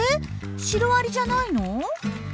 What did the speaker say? シロアリじゃないの？